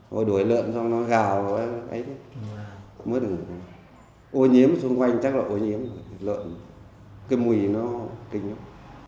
hồi đuổi lợn xong nó gào mất ngủ ô nhiễm xung quanh chắc là ô nhiễm lợn cái mùi nó kinh lắm